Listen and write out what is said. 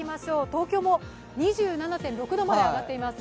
東京も２７．６度になっています。